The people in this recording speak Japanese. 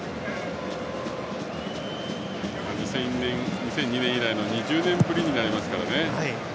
２００２年以来２０年ぶりになりますからね。